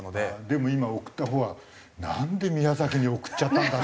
でも今送ったほうは「なんで宮崎に送っちゃったんだ」。